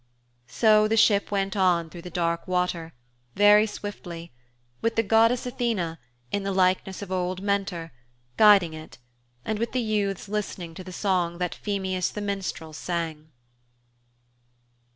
So the ship went on through the dark water, very swiftly, with the goddess Athene, in the likeness of old Mentor, guiding it, and with the youths listening to the song that Phemius the minstrel sang.